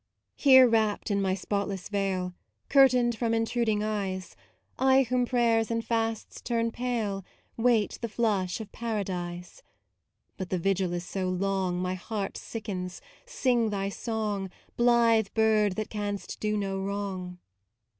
Here wrapped in my spotless veil, Curtained from intruding eyes, I whom prayers and fasts turn pale Wait the flush of Paradise. But the vigil is so long My heart sickens sing thy song, Blithe bird that canst do no wrong.